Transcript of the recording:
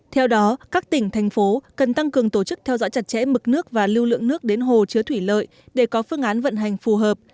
theo đó các tỉnh thành phố cần tăng cường tổ chức theo dõi chặt chẽ mực nước và lưu lượng nước đến hồ chứa thủy lợi để có phương án vận hành phù hợp